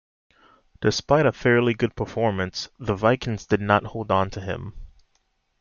Despite a fairly good performance, the Vikings did not hold on to him.